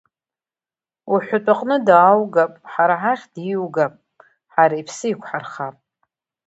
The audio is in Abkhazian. Уҳәатәаҟны дааугап, ҳара ҳахь диоугап, ҳара иԥсы еиқәҳархап.